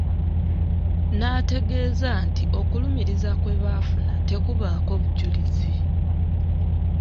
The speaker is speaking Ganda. Nategeeza nti okulumiriza kwe baafuna tekubaako bujulizi.